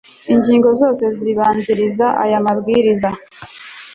ingingo zose zibanziriza aya mabwiriza